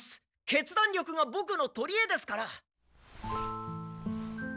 決断力がボクの取りえですから。